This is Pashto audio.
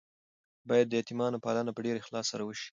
باید د یتیمانو پالنه په ډیر اخلاص سره وشي.